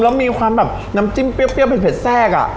แล้วมีความแบบน้ำจิ้มเปรี้ยวเผ็ดแทรกอ่ะ